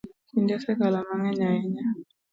Kinde osekalo mang'eny ahinya.